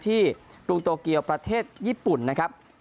กรุงโตเกียวประเทศญี่ปุ่นนะครับ